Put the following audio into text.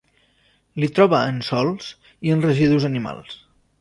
L'hi troba en sòls i en residus animals.